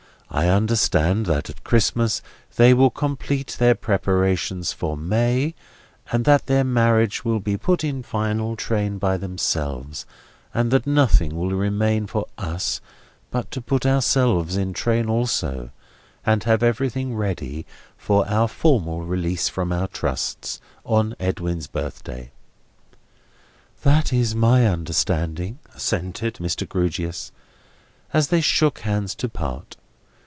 I understand that at Christmas they will complete their preparations for May, and that their marriage will be put in final train by themselves, and that nothing will remain for us but to put ourselves in train also, and have everything ready for our formal release from our trusts, on Edwin's birthday." "That is my understanding," assented Mr. Grewgious, as they shook hands to part.